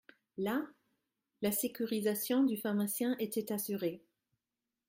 Là, la sécurisation du pharmacien était assurée.